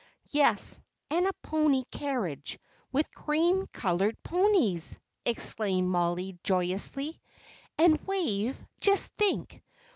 "Yes, and a pony carriage, with cream coloured ponies!" exclaimed Mollie, joyously. "And Wave, just think!